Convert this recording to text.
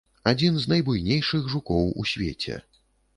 Адзін з найбуйнейшых жукоў у свеце.